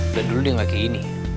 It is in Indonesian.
udah dulu dia gak kayak gini